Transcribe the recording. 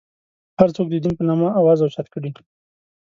هر څوک د دین په نامه اواز اوچت کړي.